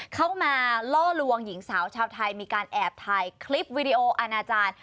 เข้ามาล่อลวงหญิงสาวชาวไทยมีการแอบถ่ายคลิปวิดีโออาณาจารย์